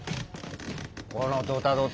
・このドタドタ。